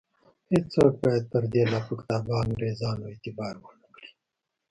هیڅوک باید پر دې لافکتابه انګرېزانو اعتبار ونه کړي.